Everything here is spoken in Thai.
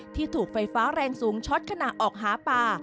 ถูกไฟฟ้าแรงสูงช็อตขณะออกหาป่า